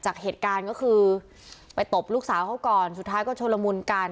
จากเหตุการณ์ก็คือไปตบลูกสาวเขาก่อนสุดท้ายก็ชุลมุนกัน